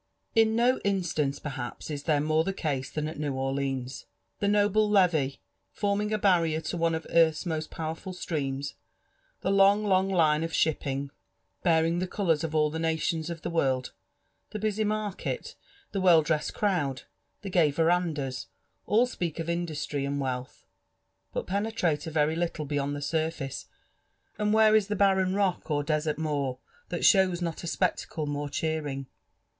In no instance, perliaps, is this more the case than at Mew Orleans, The noble Levee, forming a barrier to one of earth's most powerful streams — the long, long line of shipping, bearing the colours of all the nations of the world — the busy market, the weli^ dressed crowd, the gay verandas Hiii speak of industry and wealth. But peoelrate a very little beyond the surface, and where is the barren rock or desert moor thai shows not a spectacle more cheering?